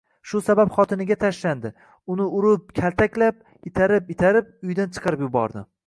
Shu sabab xotiniga tashlandi, uni urib-kaltaklab, itarib-itarib uydan chiqarib yubordi